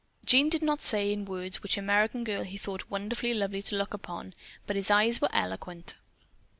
Jean did not say in words which American girl he thought wonderfully lovely to look upon, but his eyes were eloquent.